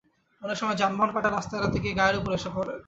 অনেক সময় যানবাহন কাটা রাস্তা এড়াতে গিয়ে গায়ের ওপর এসে পড়ে।